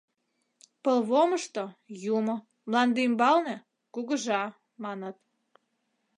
Пылвомышто — юмо, мланде ӱмбалне — кугыжа, маныт.